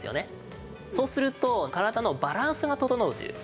そうすると体のバランスが整うという。